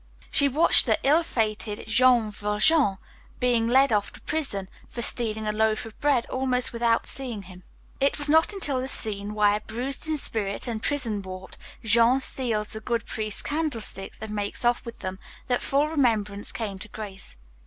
She watched the ill fated Jean Valjean being led off to prison for stealing a loaf of bread almost without seeing him. It was not until the scene where, bruised in spirit and prison warped, Jean steals the good priest's candlesticks and makes off with them, that full remembrance came to Grace.